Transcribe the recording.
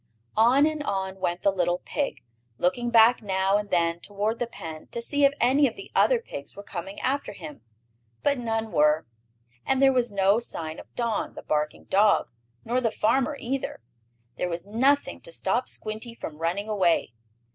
On and on went the little pig, looking back now and then toward the pen to see if any of the other pigs were coming after him. But none were. And there was no sign of Don, the barking dog, nor the farmer, either. There was nothing to stop Squinty from running away.